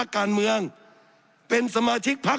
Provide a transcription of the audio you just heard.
สับขาหลอกกันไปสับขาหลอกกันไป